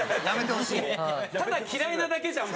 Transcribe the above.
ただ嫌いなだけじゃん。